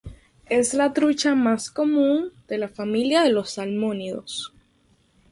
Es la trucha más común de la familia de los salmónidos.